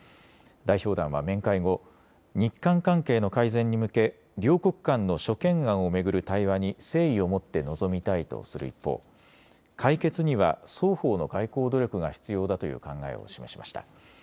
代表団は面会後、日韓関係の改善に向け、両国間の諸懸案を巡る対話に誠意を持って臨みたいとする一方、解決には双方の外交努力が必要だという考えを示しました。